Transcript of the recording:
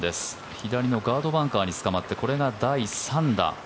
左のガードバンカーにつかまってこれが第３打。